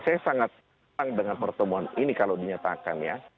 saya sangat senang dengan pertemuan ini kalau dinyatakan ya